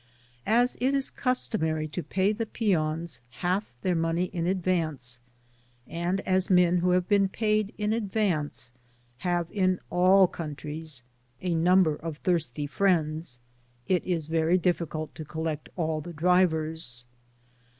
As it is customary to pay the peons half their money in advance, and as men who have been paid in advance have in all countries a number of thirsty friends, it is very difficult to collect all the drivers.